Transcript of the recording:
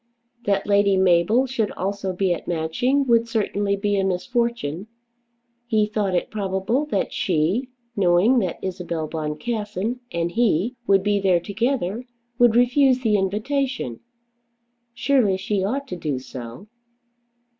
That Lady Mabel should also be at Matching, would certainly be a misfortune. He thought it probable that she, knowing that Isabel Boncassen and he would be there together, would refuse the invitation. Surely she ought to do so.